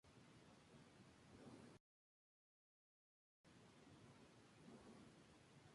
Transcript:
Fue jefe de la brigada de ferrocarrileros de la División del Norte.